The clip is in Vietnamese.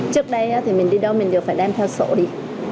trước đây thì mình đi đâu mình đều phải đem theo sổ đi